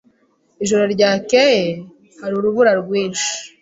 Ijoro ryakeye hari urubura rwinshi.